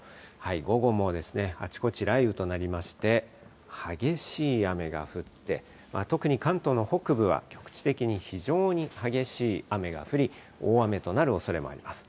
午後もあちこち雷雨となりまして、激しい雨が降って、特に関東の北部は局地的に非常に激しい雨が降り、大雨となるおそれもあります。